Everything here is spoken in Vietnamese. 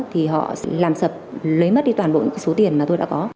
thì họ làm sập lấy mất đi toàn bộ số tiền mà tôi đã có